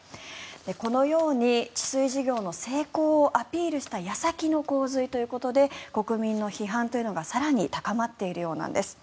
このように治水事業の成功をアピールした矢先の洪水ということで国民の批判というのが更に高まっているようです。